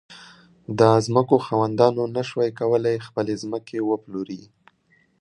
د ځمکو خاوندانو نه شوای کولای خپلې ځمکې وپلوري.